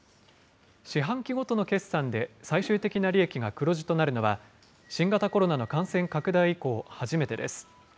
四半期ごとの決算で最終的な利益が黒字となるのは、新型コロナの感染拡大以降、初めてです。